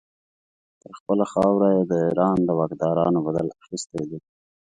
پر خپله خاوره یې د ایران د واکدارانو بدل اخیستی دی.